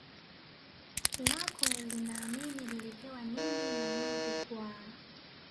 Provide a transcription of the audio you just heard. lako linaamini lilipewa nini na Mungu kwa